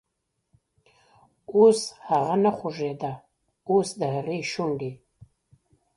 اوس هغه نه خوږیده، اوس دهغې شونډې،